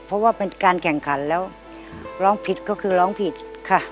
เพราะว่าเป็นการแข่งขันแล้วร้องผิดก็คือร้องผิดค่ะ